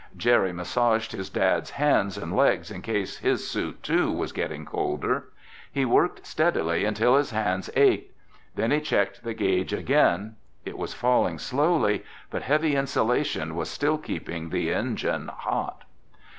Jerry massaged his dad's hands and legs in case his suit, too, was getting colder. He worked steadily until his hands ached. Then he checked the gauge again. It was falling slowly, but heavy insulation was still keeping the engine hot.